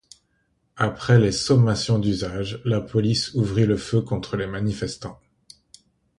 Après les sommations d’usage, la police ouvrit le feu contre les manifestants.